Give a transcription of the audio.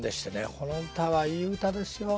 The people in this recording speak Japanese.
この歌はいい歌ですよ。